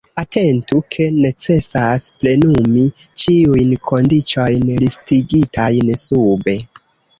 Atentu, ke necesas plenumi ĉiujn kondiĉojn listigitajn sube.